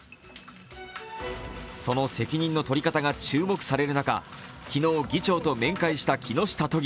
その責任のとり方が注目される中、昨日議長と面会した木下都議。